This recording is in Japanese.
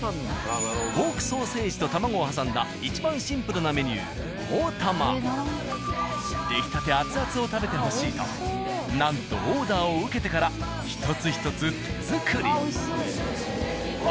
ポークソーセージと卵を挟んだいちばんシンプルなメニューできたてアツアツを食べてほしいとなんとオーダーを受けてから一つ一つ手作り。